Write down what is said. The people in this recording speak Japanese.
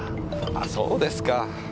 あぁそうですか。